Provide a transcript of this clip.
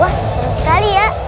wah seru sekali ya